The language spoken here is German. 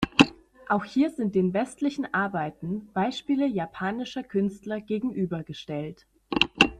Auch hier sind den westlichen Arbeiten Beispiele japanischer Künstler gegenübergestellt.